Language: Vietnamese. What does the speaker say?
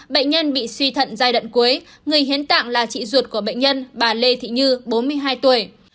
bệnh nhân bị suy thận giai đoạn cuối người hiến tạng là chị ruột của bệnh nhân bà lê thị như bốn mươi hai tuổi